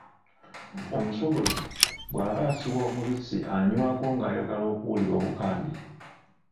Omusogozi bw’aba asiwa omubisi anywako ng’ayagala okuwulira Obukambi.